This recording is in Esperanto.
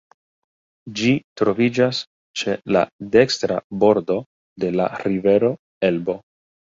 Ĝi troviĝas ĉe la dekstra bordo de la rivero Elbo.